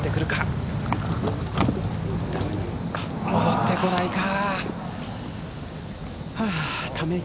乗ってこないか。